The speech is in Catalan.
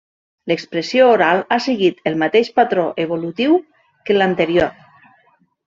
L'expressió oral ha seguit el mateix patró evolutiu que l'anterior.